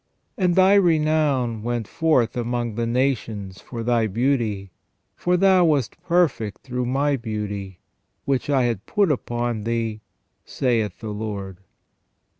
And thy renown went forth among the nations for thy beauty ; for thou wast perfect through My beauty, which I had put upon thee, saith the Lord."